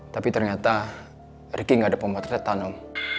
tapi ternyata riki gak ada pemotretan om